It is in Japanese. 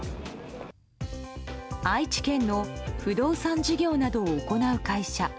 愛知県の不動産事業などを行う会社。